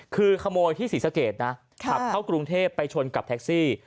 คือขโมยที่ศรีสะเกดนะขับเข้ากรุงเทพไปชนกับแท็กซี่